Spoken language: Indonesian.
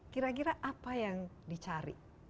kira kira apa yang dicari